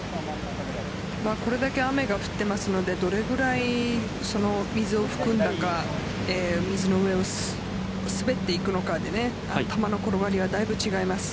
これだけ雨が降っていますのでどれぐらい水を含んだか水の上を滑っていくのかで球の転がりがだいぶ違います。